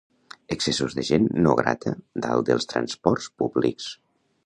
Excessos de gent no grata dalt dels transports públics.